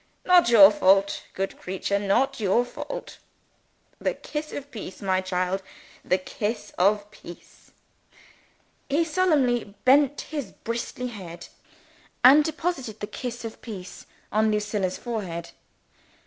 Not your fault. Good creature. Not your fault.) The kiss of peace, my child; the kiss of peace." He solemnly bent his bristly head, and deposited the kiss of peace on Lucilla's forehead.